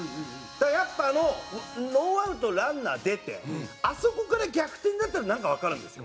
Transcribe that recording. だからやっぱあのノーアウトランナー出てあそこから逆転だったらなんかわかるんですよ。